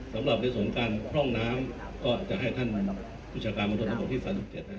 สำหรับในส่วนการพร่องน้ำก็อาจจะให้ท่านวิชาการมันตนธรรมบุคทธิษฐศาสตร์๑๗